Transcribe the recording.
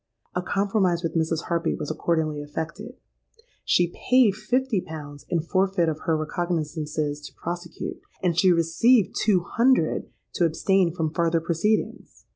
A compromise with Mrs. Harpy was accordingly effected: she paid fifty pounds in forfeit of her recognizances to prosecute: and she received two hundred to abstain from farther proceedings!